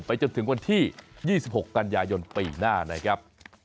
จนถึงวันที่๒๖กันยายนปีหน้านะครับ